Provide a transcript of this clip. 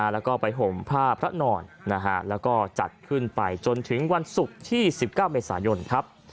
แล้วก็ไปห่มผ้าพระนอนแล้วก็จัดขึ้นไปจนถึงวันศุกร์ที่๑๙เมษายนครับ